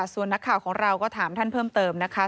ส่วนนักข่าวของเราก็ถามท่านเพิ่มเติมนะคะ